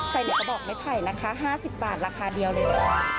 ใส่เหลือกระบอกไม้ไผ่นะคะ๕๐บาทราคาเดียวเลยค่ะ